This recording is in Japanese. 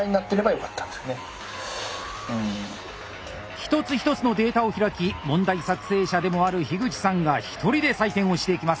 一つ一つのデータを開き問題作成者でもある口さんが１人で採点をしていきます。